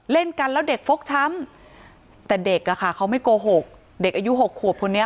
เล่นกันแล้วเด็กฟกช้ำแต่เด็กอะค่ะเขาไม่โกหกเด็กอายุ๖ขวบคนนี้